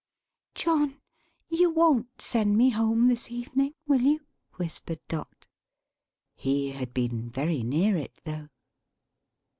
"John! you won't send me home this evening; will you?" whispered Dot. He had been very near it though!